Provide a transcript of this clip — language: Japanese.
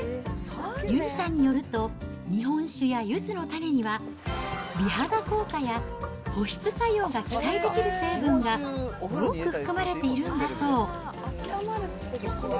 ゆにさんによると、日本酒やゆずの種には、美肌効果や保湿作用が期待できる成分が多く含まれているんだそう。